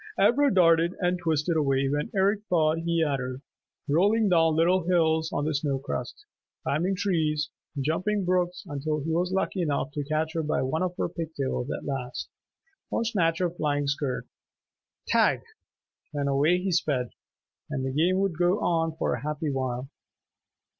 Ivra darted and twisted away when Eric thought he had her, rolling down little hills on the snow crust, climbing trees, jumping brooks until he was lucky enough to catch her by one of her pigtails at last, or snatch her flying skirt. "Tag!" Then away he sped, and the game would go on for a happy while.